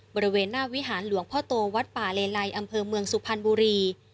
บริเวณหน้าวิหารหลวงพ่อโตวัดป่าเลไลอำเภอเมืองสุพรรณบุรี